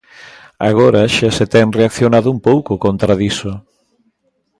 Agora xa se ten reaccionado un pouco contra diso.